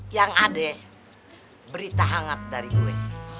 yang ada ya berita hangat dari gue